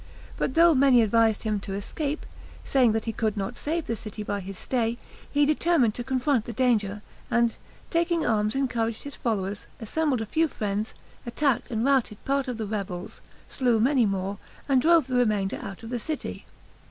But though many advised him to escape, saying that he could not save the city by his stay, he determined to confront the danger, and taking arms encouraged his followers, assembled a few friends, attacked and routed part of the rebels, slew many more, and drove the remainder out of the city.